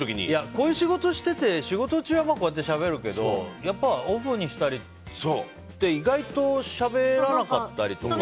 こういう仕事してて、仕事中はまあこうやってしゃべるけどやっぱ、オフになると意外としゃべらなかったりとか。